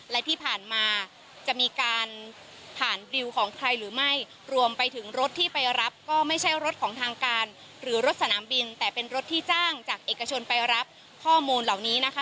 และที่ผ่านมาจะมีการผ่านดิวของใครหรือไม่รวมไปถึงรถที่ไปรับก็ไม่ใช่รถของทางการหรือรถสนามบินแต่เป็นรถที่จ้างจากเอกชนไปรับข้อมูลเหล่านี้นะคะ